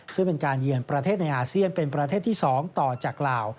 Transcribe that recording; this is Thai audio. ซึ่งเป็นการเยือนประเทศในอาเซียนเป็นประเทศที่๒ต่อจากลาว